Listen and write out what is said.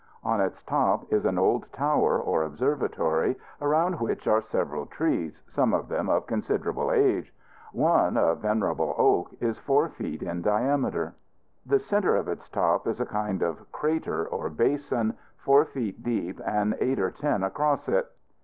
On its top is an old tower or observatory, around which are several trees, some of them of considerable age. One, a venerable oak, is four feet in diameter. The center of its top is a kind of crater or basin, four feet deep and eight or ten across it.